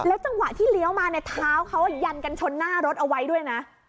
จังหวะที่เลี้ยวมาเนี่ยเท้าเขายันกันชนหน้ารถเอาไว้ด้วยนะ